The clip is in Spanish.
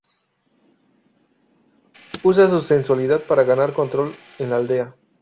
Usa su sensualidad para ganar control en la aldea.